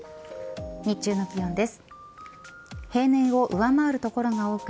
日中の気温です。